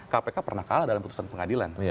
kpk pernah kalah dalam putusan pengadilan